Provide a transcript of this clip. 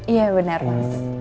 iya benar mas